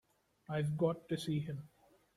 I've got to see him.